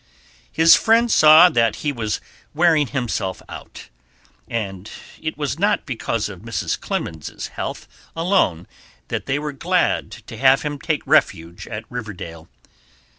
His friends saw that he was wearing himself out, and it was not because of Mrs. Clemens's health alone that they were glad to have him take refuge at Riverdale.